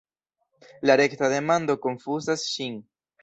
La rekta demando konfuzas ŝin.